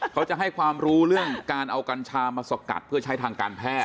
เขาจะให้ความรู้เรื่องการเอากัญชามาสกัดเพื่อใช้ทางการแพทย